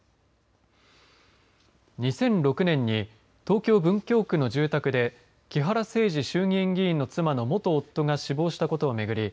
２００６年に東京・文京区の住宅で木原誠二衆議院議員の妻の元夫が死亡したことを巡り